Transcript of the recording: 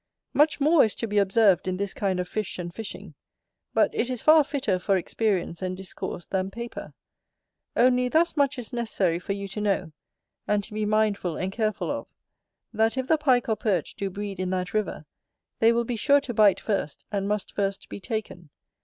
Much more is to be observed in this kind of fish and fishing, but it is far fitter for experience and discourse than paper. Only, thus much is necessary for you to know, and to be mindful and careful of, that if the Pike or Perch do breed in that river, they will be sure to bite first, and must first be taken.